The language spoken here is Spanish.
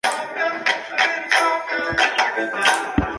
Lanzó la canción "Beautiful Little Fools" en el Día internacional de la mujer.